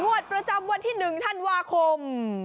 ประจำวันที่๑ธันวาคม